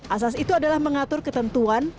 asas itu adalah mengatur ketentuan